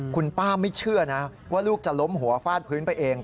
คุณป้าไม่เชื่อนะว่าลูกจะล้มหัวฟาดพื้นไปเอง